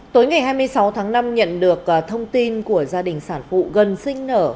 tối ngày hai mươi sáu tháng năm nhận được thông tin của gia đình sản phụ gần sinh nở